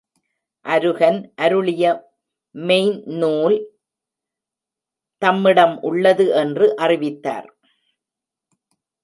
அருகன் அருளிய மெய்ந் நூல் தம்மிடம் உள்ளது என்று அறிவித்தார்.